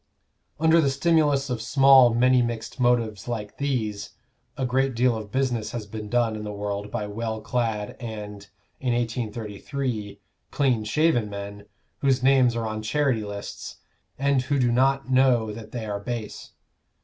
Under the stimulus of small many mixed motives like these, a great deal of business has been done in the world by well clad and, in 1833, clean shaven men, whose names are on charity lists, and who do not know that they are base.